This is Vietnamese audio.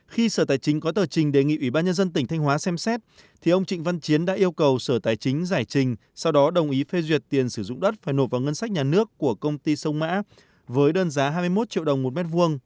khi sở tài chính có tờ trình đề nghị ủy ban nhân dân tỉnh thanh hóa xem xét thì ông trịnh văn chiến đã yêu cầu sở tài chính giải trình sau đó đồng ý phê duyệt tiền sử dụng đất phải nộp vào ngân sách nhà nước của công ty sông mã với đơn giá hai mươi một triệu đồng một mét vuông